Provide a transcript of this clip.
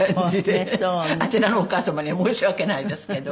あちらのお母様には申し訳ないですけど。